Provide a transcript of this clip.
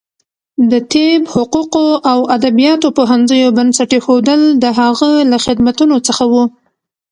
د طب، حقوقو او ادبیاتو پوهنځیو بنسټ ایښودل د هغه له خدمتونو څخه و.